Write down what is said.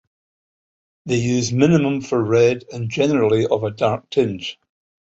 They used minium for red, and generally of a dark tinge.